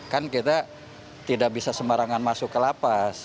kan kita tidak bisa sembarangan masuk ke lapas